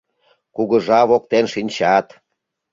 Кугыжа воктен шинчат